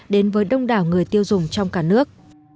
đến với đông đảo người tiêu dùng trong cả nước